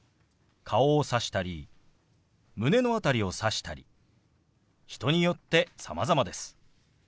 顔をさしたり胸の辺りをさしたり人によってさまざまです。